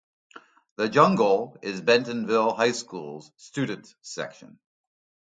The Jungle is Bentonville High School's student section.